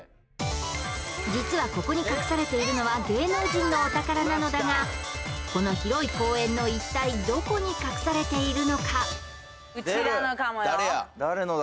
４．５実はここに隠されているのは芸能人のお宝なのだがこの広い公園の一体どこに隠されているのかうちらのかもよ出る！